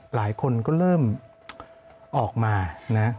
หลายคนก็เริ่มออกมานะ